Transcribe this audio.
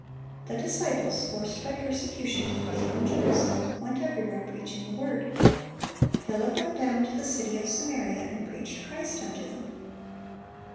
The disciples, forced by persecution to flee from Jerusalem, "went everywhere preaching the Word." "Philip went down to the city of Samaria, and preached Christ unto them."